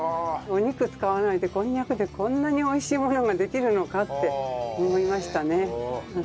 お肉使わないでこんにゃくでこんなに美味しいものができるのかって思いましたね。